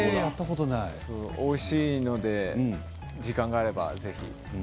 おいしいので時間があればぜひ。